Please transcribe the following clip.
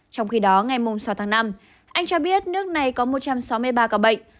trong khi đó ngày sáu tháng năm anh cho biết nước này có một trăm sáu mươi ba ca bệnh